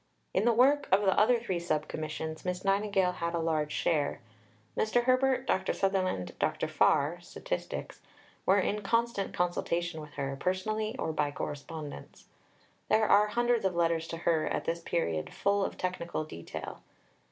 In the work of the other three Sub Commissions Miss Nightingale had a large share. Mr. Herbert, Dr. Sutherland, Dr. Farr (Statistics) were in constant consultation with her, personally or by correspondence. There are hundreds of letters to her at this period, full of technical detail.